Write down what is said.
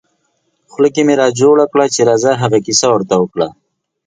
خوله کې مې را جوړه کړه چې راځه هغه کیسه ور ته وکړه.